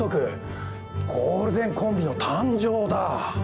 ゴールデンコンビの誕生だ。